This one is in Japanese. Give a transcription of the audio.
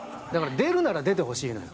出るなら出てほしいのよ。